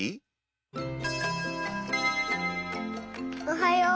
おはよう。